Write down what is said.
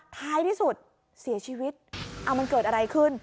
ท้ายที่สุดเสียชีวิตเอามันเกิดอะไรขึ้น